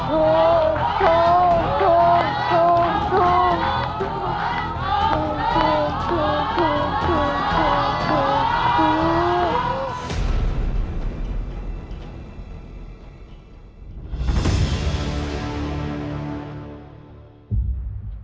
ถูก